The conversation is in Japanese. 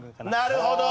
なるほど。